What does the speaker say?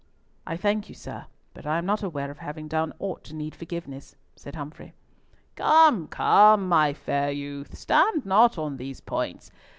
"I thank you, sir, but I am not aware of having done aught to need forgiveness," said Humfrey. "Come, come, my fair youth, stand not on these points.